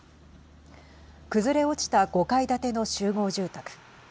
崩れ落ちた５階建ての集合住宅。